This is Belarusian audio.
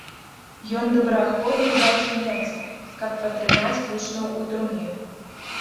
Ён добраахвотна здаўся немцам, каб падтрымаць вучняў у турме.